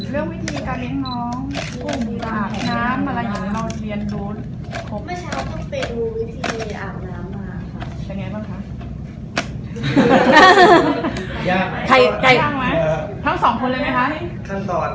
เรื่องวิธีการเลี้ยงน้องกุ่มอาบน้ำมาระหยิงเลี้ยงดูดครบ